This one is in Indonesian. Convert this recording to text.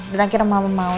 dan akhirnya mama mau